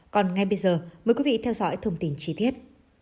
còn ngay bây giờ mời quý vị theo dõi thông tin chi tiết